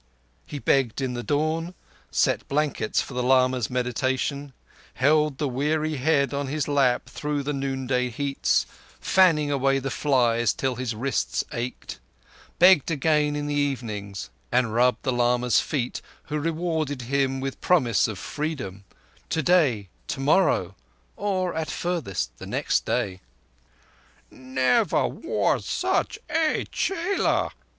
He begged in the dawn, set blankets for the lama's meditation, held the weary head on his lap through the noonday heats, fanning away the flies till his wrists ached, begged again in the evenings, and rubbed the lama's feet, who rewarded him with promise of Freedom—today, tomorrow, or, at furthest, the next day. "Never was such a chela.